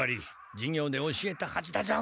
授業で教えたはずだぞ！